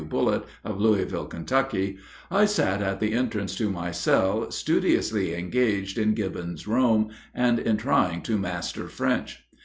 Bullitt of Louisville, Kentucky, I sat at the entrance to my cell studiously engaged on Gibbon's Rome and in trying to master French.